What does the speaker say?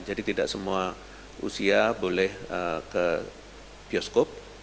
tidak semua usia boleh ke bioskop